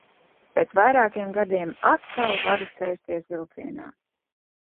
Pēc vairākiem gadiem atkal varu sēsties vilcienā.